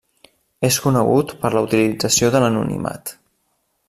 És conegut per la utilització de l'anonimat.